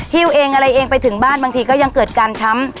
ฮิวเองอะไรเองไปถึงบ้านบางทีก็ยังเกิดการช้ำ